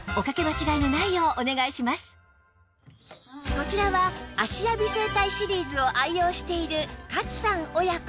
こちらは芦屋美整体シリーズを愛用している勝さん親子